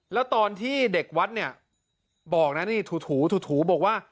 แล้วตอนที่เด็กวัดเนี่ยบอกนะนี่ถูถูบอกว่า